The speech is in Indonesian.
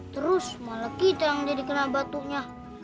terus malah kita yang jadi kena batunya